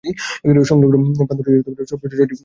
সংলগ্ন প্রান্তটি সর্বোচ্চ ছয়টি বিমান পরিচালনা করতে পারে।